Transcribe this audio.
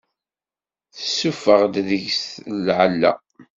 Tessuffeɣ-d deg-s lɛella.